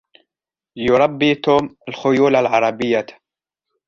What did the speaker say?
يربي توم الخيول العربية.